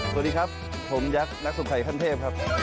สวัสดีครับผมยักษ์นักสงสัยขั้นเทพครับ